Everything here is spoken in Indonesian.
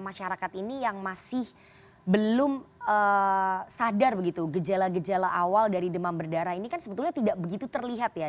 masyarakat ini yang masih belum sadar begitu gejala gejala awal dari demam berdarah ini kan sebetulnya tidak begitu terlihat ya